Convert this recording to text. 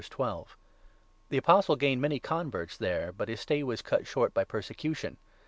The Apostle gained many converts there, but his stay was cut short by persecution.